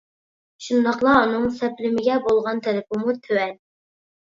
! شۇنداقلا ئۇنىڭ سەپلىمىگە بولغان تەلىپىمۇ تۆۋەن!